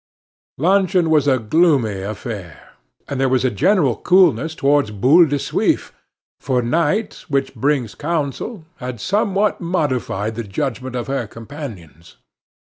Luncheon was a gloomy affair; and there was a general coolness toward Boule de Suif, for night, which brings counsel, had somewhat modified the judgment of her companions.